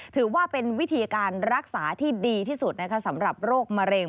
ถือว่าเป็นวิธีการรักษาที่ดีที่สุดสำหรับโรคมะเร็ง